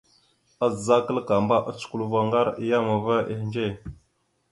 Azza kǝlakamba, ocǝkulvurro ngar a yam va ehindze.